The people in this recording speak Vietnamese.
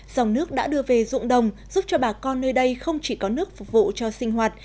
dòng nước đã đưa về dụng đồng giúp cho bà con nơi đây không chỉ có nước phục vụ cho sinh hoạt